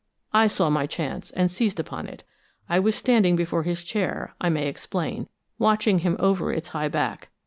I saw my chance, and seized upon it. I was standing before his chair, I may explain, watching him over its high back.